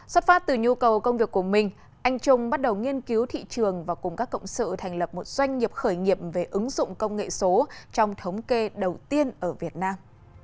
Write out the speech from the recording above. xuất phát từ nhu cầu công việc của mình anh trung bắt đầu nghiên cứu thị trường và cùng các cộng sự thành lập một doanh nghiệp khởi nghiệp về ứng dụng công nghệ số trong thống kê đầu tiên ở việt nam